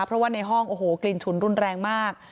เพราะว่าในห้องโอ้โหกลิ่นฉุนรุนแรงมาก